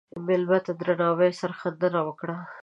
مېلمه ته د درناوي سرښندنه وکړه.